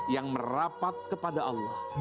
yang merapat kepada allah